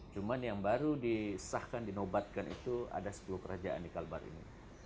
cuma yang baru disahkan dinobatkan itu ada sepuluh kerajaan di kalbar ini